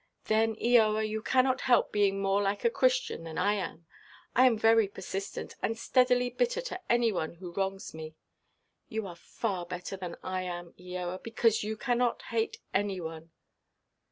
"Then, Eoa, you cannot help being more like a Christian than I am. I am very persistent, and steadily bitter to any one who wrongs me. You are far better than I am, Eoa; because you cannot hate any one."